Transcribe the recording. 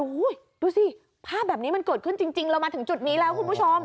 โอ้โหดูสิภาพแบบนี้มันเกิดขึ้นจริงเรามาถึงจุดนี้แล้วคุณผู้ชม